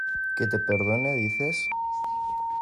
¿ que te perdone dices?